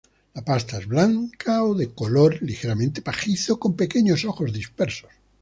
La pasta es blanca o de color ligeramente pajizo con pequeños ojos dispersos.